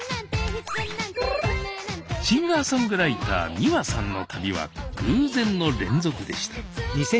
シンガーソングライターｍｉｗａさんの旅は偶然の連続でした。